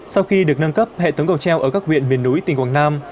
sau khi được nâng cấp hệ thống cầu treo ở các huyện miền núi tỉnh quảng nam